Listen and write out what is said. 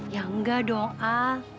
ya enggak dong al